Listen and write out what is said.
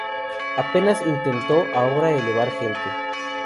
Apenas intento ahora elevar gente.